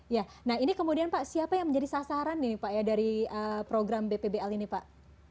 ya nah ini kemudian pak siapa yang menjadi sasaran ini pak ya dari program bpbl ini pak